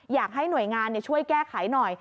อยากให้หน่วยงานช่วยแก้ไขหน่อย